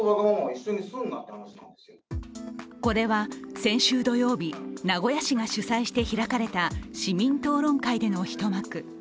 これは先週土曜日、名古屋市が主催して開かれた市民討論会での一幕。